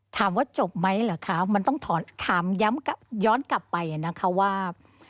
ถามว่าจบไหมเหรอคะมันต้องถามย้ำย้อนกลับไปนะคะว่า